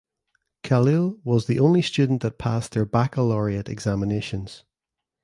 Khalil was the only student that passed their baccalaureate examinations.